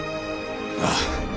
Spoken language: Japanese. ああ。